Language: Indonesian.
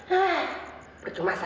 bagaimana kalau aku menjawabnya